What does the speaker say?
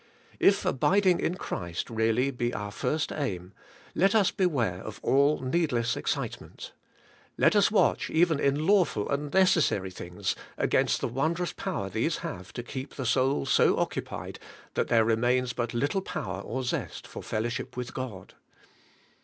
If abiding in Christ really be our first aim, let us beware of all needless excite ment. Let us watch even in lawful and necessary things against the wondrous power these have to keep the soul so occupied, that there remains but little power or zest for fellowship with God.